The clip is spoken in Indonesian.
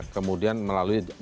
kemudian melakukan perbincangan ini